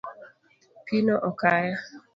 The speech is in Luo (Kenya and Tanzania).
Pino okaya.